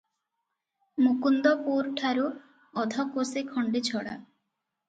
ମୁକୁନ୍ଦପୁରଠାକୁ ଅଧ କୋଶେ ଖଣ୍ଡେ ଛଡ଼ା ।